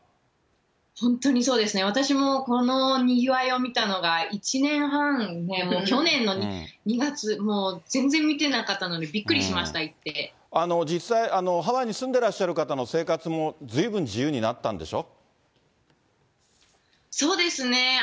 本当にそうですね、私もこのにぎわいを見たのが１年半、去年の２月、もう全然見てなかったので、びっくりしました、実際、ハワイに住んでらっしゃる方の生活もずいぶん自由になったんでしそうですね。